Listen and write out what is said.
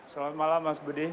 selamat malam mas budi